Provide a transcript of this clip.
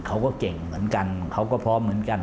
เขาก็เก่งเหมือนกันเขาก็พร้อมเหมือนกัน